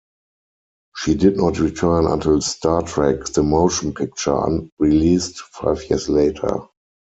She did not return until Star Trek: The Motion Picture, released five years later.